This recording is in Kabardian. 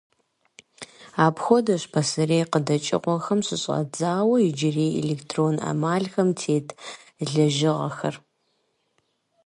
Апхуэдэщ пасэрей къыдэкӏыгъуэхэм щыщӏэдзауэ иджырей электрон ӏэмалхэм тет лэжьыгъэхэр.